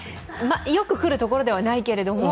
よく来るところではないけれども。